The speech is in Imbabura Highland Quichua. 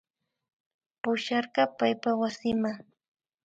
Pusharka paypa wasima